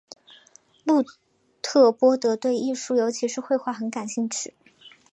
路特波德对艺术尤其是绘画很感兴趣。